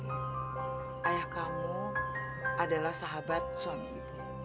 ayah kamu adalah sahabat suami ibu